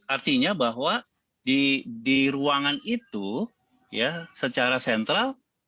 artinya bahwa di ruangan itu ya secara sentral